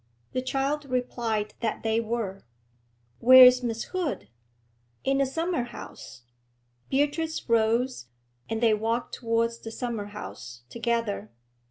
The child replied that they were. 'Where is Miss Hood?' 'In the summer house.' Beatrice rose, and they walked towards the summer house together.